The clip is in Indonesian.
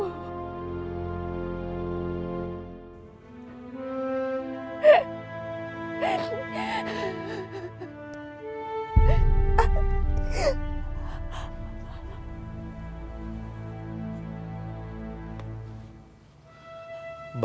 saling di madu